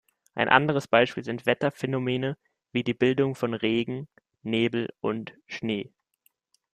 Ein anderes Beispiel sind Wetterphänomene wie die Bildung von Regen, Nebel und Schnee.